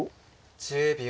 １０秒。